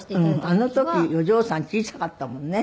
あの時お嬢さん小さかったもんね。